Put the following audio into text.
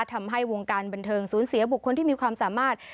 ทำให้วงการบันเทิงสูญเสียบุคคลที่มีความสามารถ